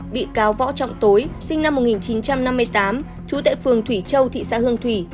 bị cáo võ trọng tối sinh năm một nghìn chín trăm năm mươi tám trú tại phường thủy châu thị xã hương thủy